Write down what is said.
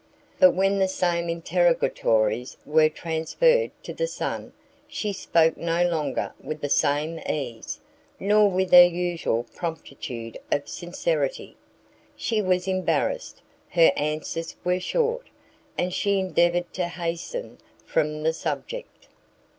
But when the same interrogatories were transferred to the son, she spoke no longer with the same ease, nor with her usual promptitude of sincerity; she was embarrassed, her answers were short, and she endeavoured to hasten from the subject.